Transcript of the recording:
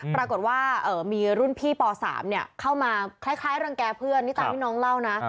ปรากฏว่ามีรุ่นพี่ป๓เข้ามาคล้ายรังแก่เพื่อนนี่ตามที่น้องเล่านะ